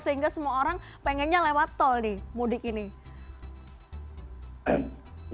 sehingga semua orang pengennya lewat tol nih mudik ini